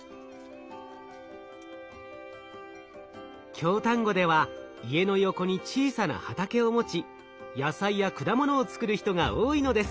京丹後では家の横に小さな畑を持ち野菜や果物を作る人が多いのです。